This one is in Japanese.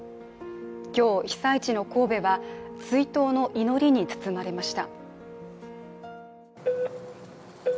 今日、被災地の神戸は追悼の祈りに包まれました。